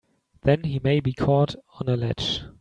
Then he may be caught on a ledge!